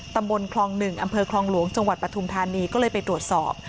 ตำบลคลอง๑อำเภอคลองหลวงจังหวัดปฐุมธานีก็เลยไปตรวจสอบ